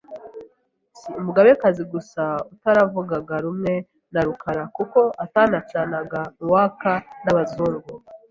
Si umugabekazi gusa utaravugaga rumwe na Rukara kuko atanacanaga uwaka n’abazungu